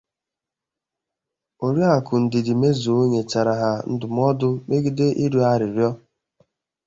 Oriakụ Ndidi Mezue nyechara ha ndụmọdụ megide ịrịọ arịrịọ